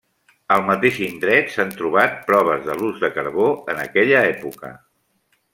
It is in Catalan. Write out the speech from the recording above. Al mateix indret s'han trobat proves de l'ús de carbó en aquella època.